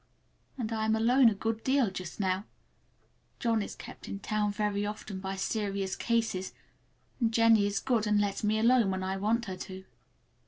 And I am alone a good deal just now. John is kept in town very often by serious cases, and Jennie is good and lets me alone when I want her to.